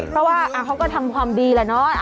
เพราะว่าเขาก็ทำความดีแหละเนาะ